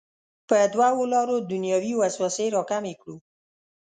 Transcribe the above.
په دوو لارو دنیوي وسوسې راکمې کړو.